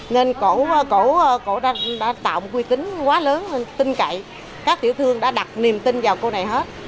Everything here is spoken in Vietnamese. nên cô đã tạo một quy tín quá lớn nên tin cậy các tiểu thương đã đặt niềm tin vào cô này hết